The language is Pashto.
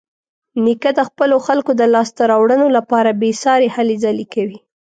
نیکه د خپلو خلکو د لاسته راوړنو لپاره بېسارې هلې ځلې کوي.